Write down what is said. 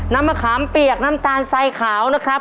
น้ำมะคามเปียกน้ำ๓๒ใสขาวนะครับ